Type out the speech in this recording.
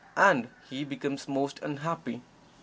And he becomes most unhappy.